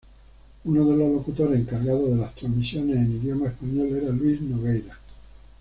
Uno de los locutores encargados de las transmisiones en idioma español era Luis Nogueira.